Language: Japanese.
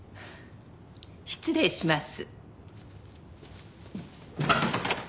失礼します。